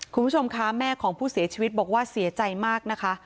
คุณผู้ชมคะแม่ของผู้เสียชีวิตบอกว่าเสียใจมากนะคะ